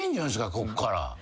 こっから。